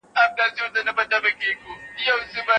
د انسان شعور په تدريجي ډول وده کوي.